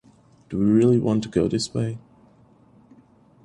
Do we really want to go this way?